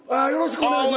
お願いします。